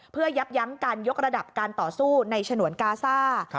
เพื่อยับยั้งการยกระดับการต่อสู้ในฉนวนกาซ่า